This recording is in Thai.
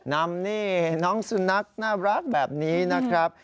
นำนี่น้องสุนัขน่ารักแบบนี้นะครับ